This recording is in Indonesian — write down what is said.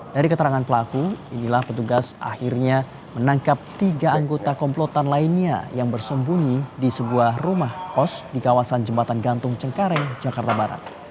dari keterangan pelaku inilah petugas akhirnya menangkap tiga anggota komplotan lainnya yang bersembunyi di sebuah rumah kos di kawasan jembatan gantung cengkareng jakarta barat